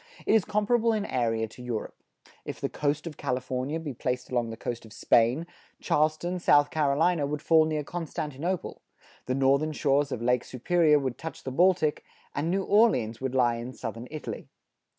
It is comparable in area to Europe. If the coast of California be placed along the coast of Spain, Charleston, South Carolina, would fall near Constantinople; the northern shores of Lake Superior would touch the Baltic, and New Orleans would lie in southern Italy.